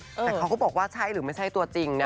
แต่เขาก็บอกว่าใช่หรือไม่ใช่ตัวจริงนะ